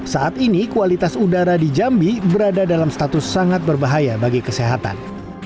saat ini kualitas udara di jambi berada dalam status sangat berbahaya bagi kesehatan